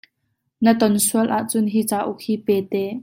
Na ton sual ahcun hi cauk hi pe te.